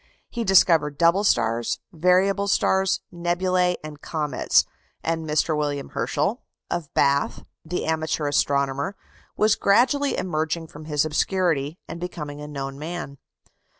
He discovered double stars, variable stars, nebulæ, and comets; and Mr. William Herschel, of Bath, the amateur astronomer, was gradually emerging from his obscurity, and becoming a known man.